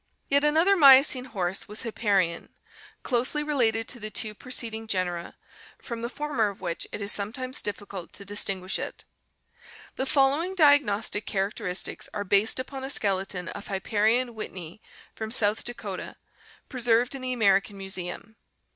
Yet another Miocene horse was Hip parion (Figs. 224, 225), closely related to the two preceding genera, from the former of which it is sometimes difficult to distinguish it. The following diagnostic characteristics are based upon a skeleton of Hipparion whitneyi from South Dakota, preserved in the American Museum.